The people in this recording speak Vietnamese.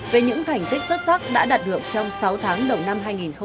về những thành tích xuất sắc đã đạt được trong sáu tháng đầu năm hai nghìn hai mươi